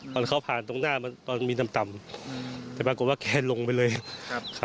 ตอนเขาผ่านตรงหน้ามันตอนมีน้ำต่ำแต่ปรากฏว่าแกลงไปเลยครับ